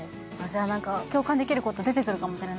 じゃあ何か共感できること出てくるかもしれないですね